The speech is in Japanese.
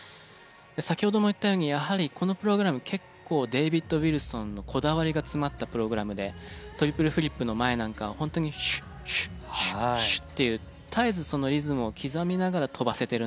先ほども言ったようにやはりこのプログラム結構デビッド・ウィルソンのこだわりが詰まったプログラムでトリプルフリップの前なんかは本当にシュッシュッシュッシュッっていう絶えずそのリズムを刻みながら跳ばせてるんですよね。